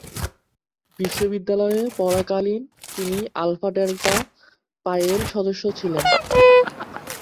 বিশ্ববিদ্যালয়ে পড়াকালীন তিনি আলফা ডেল্টা পাইয়ের সদস্য ছিলেন।